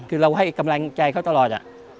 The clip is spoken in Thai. คือเราให้กำลังใจเขาตลอด